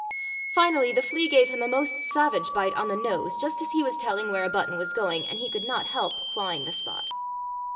Finally the flea gave him a most savage bite on the nose just as he was telling where a button was going, and he could not help clawing the spot.